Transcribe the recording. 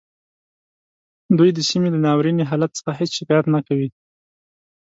دوی د سیمې له ناوریني حالت څخه هیڅ شکایت نه کوي